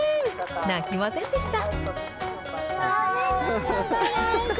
泣きませんでした。